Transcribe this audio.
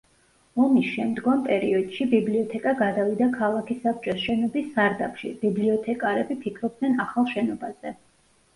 ომის შემდგომ პერიოდში ბიბლიოთეკა გადავიდა ქალაქის საბჭოს შენობის სარდაფში, ბიბლიოთეკარები ფიქრობდნენ ახალ შენობაზე.